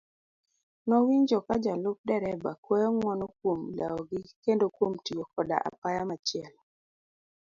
Nowinjo kajalup dereba kwayo ng'uono kuom lewogi kendo kuom tiyo koda apaya machielo.